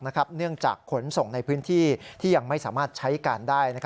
เนื่องจากขนส่งในพื้นที่ที่ยังไม่สามารถใช้การได้